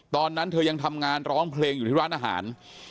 ตอนนั้นเธอยังทำงานร้องเพลงอยู่ที่ร้านอาหาร